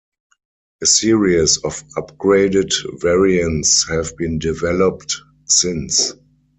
A series of upgraded variants have been developed since.